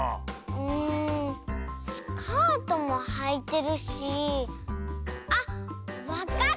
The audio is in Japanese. んスカートもはいてるしあっわかった！